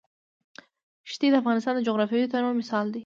ښتې د افغانستان د جغرافیوي تنوع مثال دی.